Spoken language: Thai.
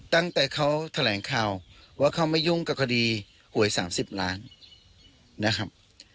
ตั้งแต่เขาแถลงข่าวว่าเขาไม่ยุ่งกับคดีหวย๓๐ล้านนะครับ